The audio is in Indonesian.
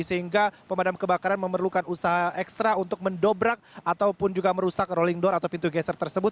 sehingga pemadam kebakaran memerlukan usaha ekstra untuk mendobrak ataupun juga merusak rolling door atau pintu geser tersebut